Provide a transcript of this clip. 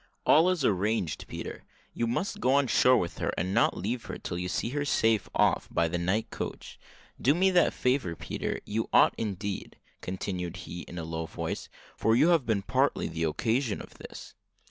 "All is arranged, Peter; you must go on shore with her, and not leave her till you see her safe off by the night coach. Do me that favour, Peter you ought indeed," continued he, in a low voice, "for you have been partly the occasion of this."